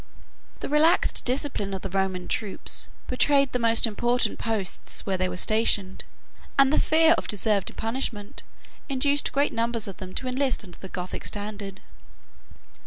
The relaxed discipline of the Roman troops betrayed the most important posts, where they were stationed, and the fear of deserved punishment induced great numbers of them to enlist under the Gothic standard.